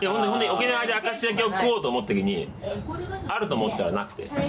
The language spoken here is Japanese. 沖縄で明石焼きを食おうと思ったときにあると思ったらなくて。